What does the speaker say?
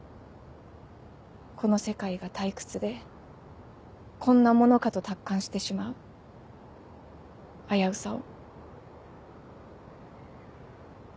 この世界が退屈でこんなものかと達観してしまう危うさを。